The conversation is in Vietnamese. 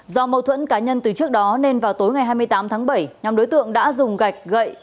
do mâu thuẫn cá nhân từ trước đó nên vào tối ngày hai mươi tám tháng bảy nhóm đối tượng đã dùng gạch gậy